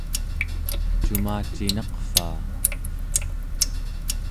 cumacinaqvaa